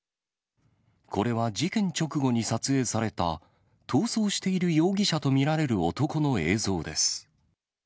これは、事件直後に撮影された、逃走している容疑者と見られる男の映像です。